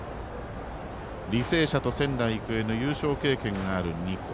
履正社と仙台育英の優勝経験がある２校。